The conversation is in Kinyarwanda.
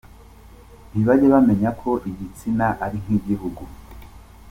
Ntibajya bamenya ko igitsina ari nk’igihugu.